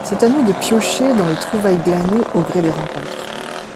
C’est à nous de piocher dans les trouvailles glanées au gré des rencontres.